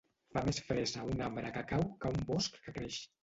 Fa més fressa un arbre que cau que un bosc que creix.